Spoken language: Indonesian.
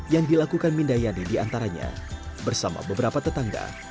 yang dilakukan minda yade diantaranya bersama beberapa tetangga